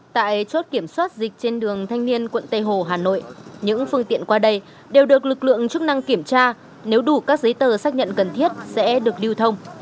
tại chốt kiểm soát dịch trên đường thanh niên quận tây hồ hà nội những phương tiện qua đây đều được lực lượng chức năng kiểm tra nếu đủ các giấy tờ xác nhận cần thiết sẽ được lưu thông